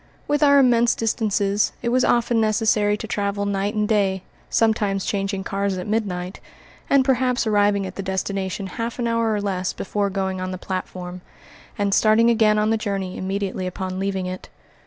With our immense distances, it was often necessary to travel night and day, sometimes changing cars at midnight, and perhaps arriving at the destination half an hour or less before going on the platform, and starting again on the journey immediately upon leaving it.